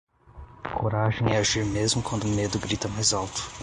Coragem é agir mesmo quando o medo grita mais alto